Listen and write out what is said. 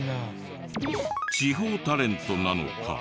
地方タレントなのか